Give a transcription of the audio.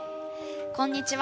こんにちは。